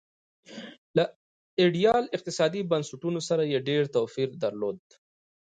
له ایډیال اقتصادي بنسټونو سره یې ډېر توپیر درلود.